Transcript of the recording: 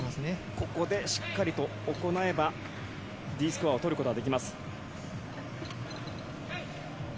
ここでしっかりと行えば、Ｄスコアを取ることができます。